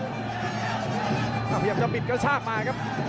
กล้องชิงดาวน์ก็พยายามจะบิดกระชากมาครับ